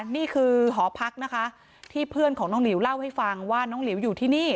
นี่คือหอพักนะคะที่เพื่อนของน้องหลิวเล่าให้ฟังว่าน้องหลิวอยู่ที่นี่